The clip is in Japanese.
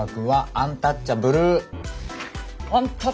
アンタッチャブル。